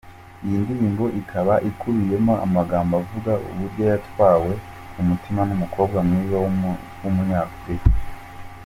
Iyi ndirimbo ikaba ikubiyemo amagambo avuga uburyo yatwawe umutima n’umukobwa mwiza w’Umunyafurika.